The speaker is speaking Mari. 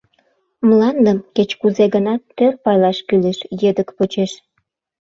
Мландым, кеч кузе-гынат, тӧр пайлаш кӱлеш, едок почеш.